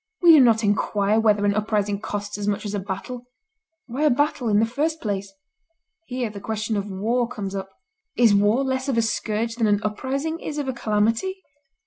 We do not inquire whether an uprising costs as much as a battle. Why a battle, in the first place? Here the question of war comes up. Is war less of a scourge than an uprising is of a calamity?